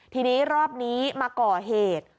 ทีนี้รอบนี้มาก่อเหตุ